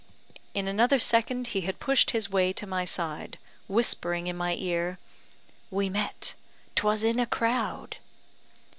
In another second he had pushed his way to my side, whispering in my ear, "We met, 'twas in a crowd."